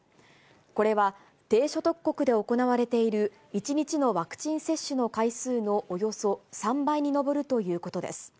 これは低所得国で行われている１日のワクチン接種の回数のおよそ３倍に上るということです。